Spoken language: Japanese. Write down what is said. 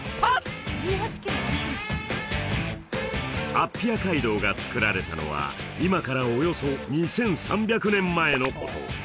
アッピア街道がつくられたのは今からおよそ２３００年前のこと